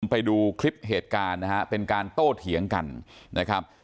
ไปดูคลิปเหตุการณ์นะฮะเป็นการโต้เถียงกันนะครับ